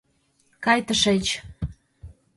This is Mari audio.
Кай тышеч!